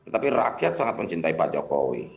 tapi rakyat sangat mencintai pak jokowi